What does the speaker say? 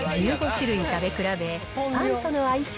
１５種類食べ比べ、パンとの相性